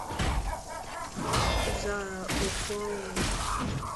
zara oku ọnwụ